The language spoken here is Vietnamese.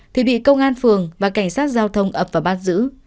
thì bị công an phường và cảnh sát giao thông ập vào bắt giữ